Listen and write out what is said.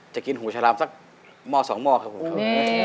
จะกินหัวชาลามสักหม้อ๒หม้อครับผมครับ